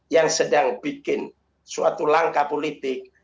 yang sedang bikin suatu langkah politik